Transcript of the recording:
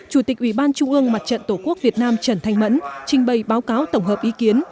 chủ tịch ủy ban trung ương mặt trận tổ quốc việt nam trần thanh mẫn trình bày báo cáo tổng hợp ý kiến